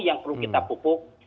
yang perlu kita pupuk